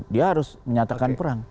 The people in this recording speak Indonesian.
dia harus menyatakan perang